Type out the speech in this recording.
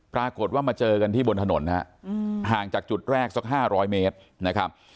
ปรากฏว่ามาเจอกันที่บนถนนนะฮะห่างจากจุดแรกสัก๕๐๐เมตรนะครับ